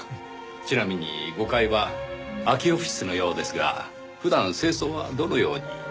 ちなみに５階は空きオフィスのようですが普段清掃はどのように？